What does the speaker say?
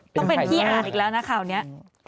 ต้องเป็นที่อ่านอีกแล้วนะข่าวนี้